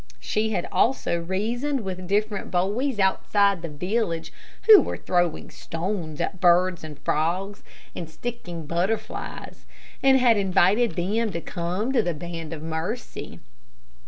She had also reasoned with different boys outside the village who were throwing stones at birds and frogs, and sticking butterflies, and had invited them to come to the Band of Mercy.